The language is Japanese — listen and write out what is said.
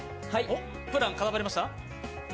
プラン固まりました？